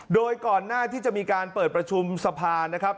โดยก่อนหน้าที่จะมีการเปิดประชุมสภานะครับ